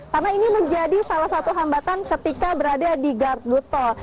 karena ini menjadi salah satu hambatan ketika berada di gardutol